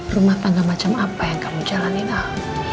rumah tangga macam apa yang kamu jalanin a